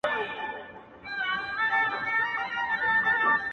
تر نگین لاندي پراته درته لوی غرونه!!